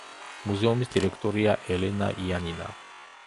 მუზეუმის დირექტორია ელენა იანინა.